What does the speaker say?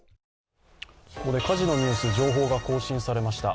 ここで火事のニュース、情報が更新されました。